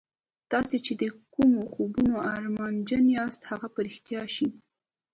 تاسې چې د کومو خوبونو ارمانجن یاست هغه به رښتیا شي